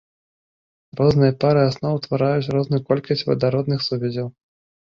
Розныя пары асноў утвараюць розную колькасць вадародных сувязяў.